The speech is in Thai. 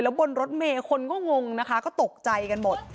บนรถเมย์คนก็งงนะคะก็ตกใจกันหมด